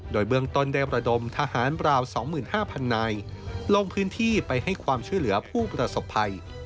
โดยเบื้องต้นได้ประดมทหารราว๒๕๐๐นายลงพื้นที่ไปให้ความช่วยเหลือผู้ประสบภัย